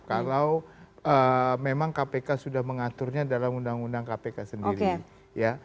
kalau memang kpk sudah mengaturnya dalam undang undang kpk sendiri ya